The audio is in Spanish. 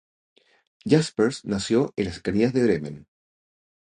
Jaspers nació en las cercanías de Bremen.